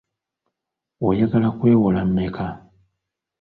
Oyagala kwewola mmeka?